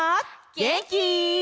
げんき？